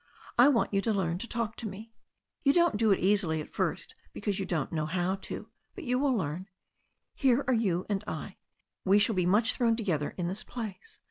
I want you to learn to talk to me. You won't do it easily at first, be cause you don't know how to. But you will learn. Here are you and I. We shall be much thrown together in this place.